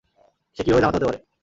সে কীভাবে জামাতা হতে পারে?